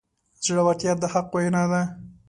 زړورتیا د حق وینا ده.